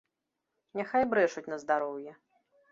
Няхай брэшуць на здароўе.